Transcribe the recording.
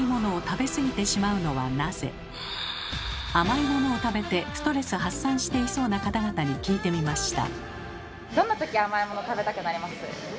甘いものを食べてストレス発散していそうな方々に聞いてみました。